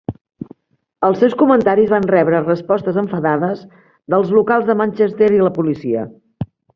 Els seus comentaris van rebre respostes enfadades dels locals de Manchester i la policia.